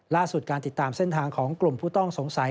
ล่าสุดการติดตามเส้นทางของกลุ่มผู้ต้องสงสัย